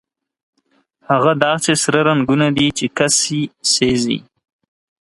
هغه داسې سره رنګونه دي چې کسي سېزي.